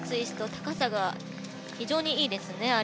高さが非常にいいですね。